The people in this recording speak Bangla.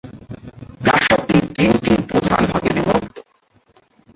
প্রাসাদটি তিনটি প্রধান ভাগে বিভক্ত।